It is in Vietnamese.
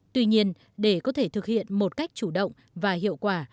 tuy nhiên để có thể thực hiện một cách chủ động và hiệu quả